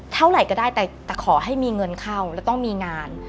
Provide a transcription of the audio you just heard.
เท่าไหร่ก็ได้แต่ขอให้มีเงินเข้าแล้วต้องมีงาน